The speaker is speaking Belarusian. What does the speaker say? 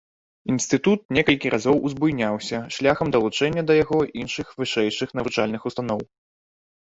Інстытут некалькі разоў узбуйняўся шляхам далучэння да яго іншых вышэйшых навучальных устаноў.